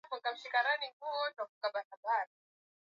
Kesho asubuhi nina kazi nyingi ya kufanya.